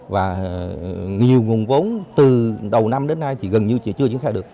và nhiều nguồn vốn từ đầu năm đến nay thì gần như chưa triển khai được